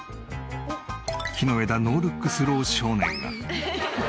木の枝ノールックスロー少年が。